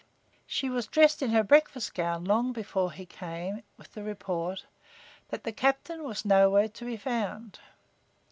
She was dressed in her breakfast gown long before he came in with the report that the captain was nowhere to be found.